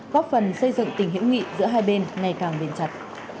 góp phần xây dựng tình hữu nghị giữa hai bên ngày càng bền chặt